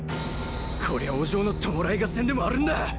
こりゃお嬢の弔い合戦でもあるんだ！